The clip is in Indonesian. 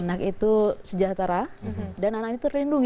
anak itu sejahtera dan anak itu terlindungi